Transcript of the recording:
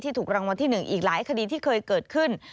ถูกรางวัลที่๑อีกหลายคดีที่เคยเกิดขึ้น